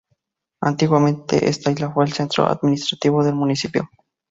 Antiguamente esta isla fue el centro administrativo del municipio.